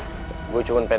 lo gak bisa berubah